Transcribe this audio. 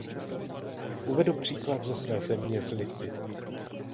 Uvedu příklad ze své země, z Litvy.